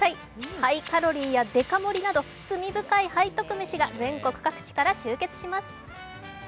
ハイカロリーやデカ盛りなど罪深い背徳飯が全国各地から集結します。